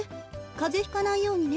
かぜひかないようにね。